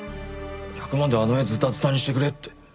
１００万であの絵をズタズタにしてくれって。